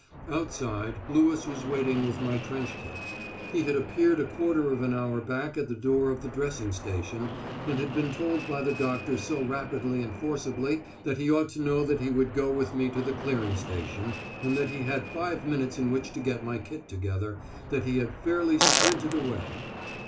Outside Lewis was waiting with my trench kit. He had appeared a quarter of an hour back at the door of the dressing station, and had been told by the doctor so rapidly and forcibly that he ought to know that he would go with me to the clearing station, and that he had five minutes in which to get my kit together, that he had fairly sprinted away.